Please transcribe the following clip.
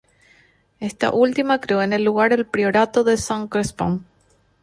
Esta última creó en el lugar el priorato de Saint-Crespin.